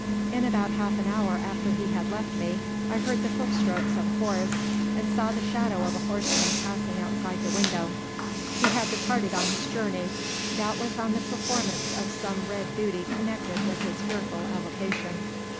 In about half an hour after he had left me, I heard the hoof strokes of a horse, and saw the shadow of a horseman passing outside the window. He had departed on his journey, doubtless on the performance of some red duty connected with his fearful avocation!